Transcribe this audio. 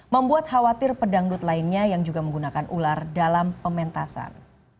membuat khawatir pedangdut lainnya yang juga menggunakan ular dalam pementasan